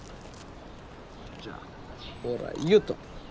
じゃあほらよっと。